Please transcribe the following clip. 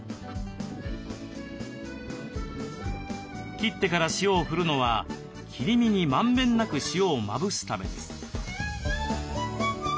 切ってから塩を振るのは切り身にまんべんなく塩をまぶすためです。